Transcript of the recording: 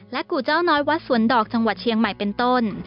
กู่เจ้าน้อยวัดสวนดอกจังหวัดเชียงใหม่เป็นต้น